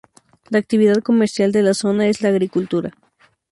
La actividad comercial de la zona es la agricultura.